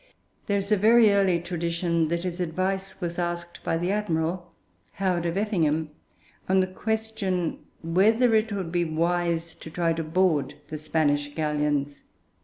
There is a very early tradition that his advice was asked by the Admiral, Howard of Effingham, on the question whether it would be wise to try to board the Spanish galleons.